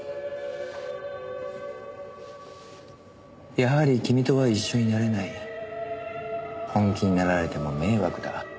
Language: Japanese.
「やはり君とは一緒になれない」「本気になられても迷惑だ」